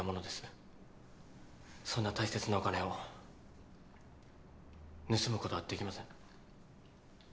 そんな大切なお金を盗むことはできません。